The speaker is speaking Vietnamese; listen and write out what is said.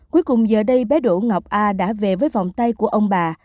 cuối cùng giờ đây bé đổ ngọc a đã về với vòng tay của ông bà